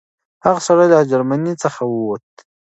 هغه سړی له جرمني څخه ووت.